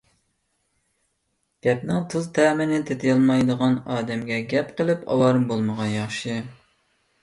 گەپنىڭ تۇز تەمىنى تېتىيالمايدىغان ئادەمگە گەپ قىلىپ ئاۋارە بولمىغان ياخشى.